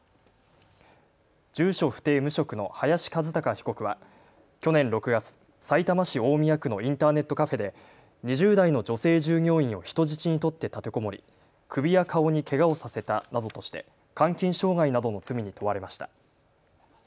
住所不定、無職の林一貴被告は去年６月、さいたま市大宮区のインターネットカフェで２０代の女性従業員を人質に取って立てこもり、首や顔にけがをさせたなどとして監禁傷害などの罪に問われました。